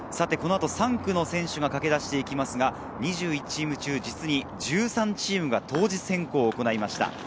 この後、３区の選手が駆け出していきますが、２１チーム中、実に１３チームが当日変更を行いました。